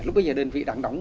lúc bây giờ đơn vị đang đóng